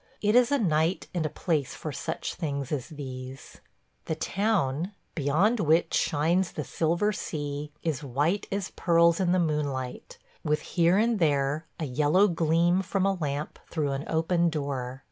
It is a night and a place for such things as these. ... The town, beyond which shines the silver sea, is white as pearls in the moonlight, with here and there a yellow gleam from a lamp through an open door.